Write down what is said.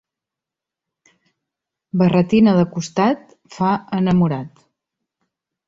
Barretina de costat, fa enamorat.